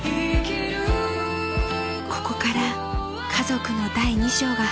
［ここから家族の第２章が始まります］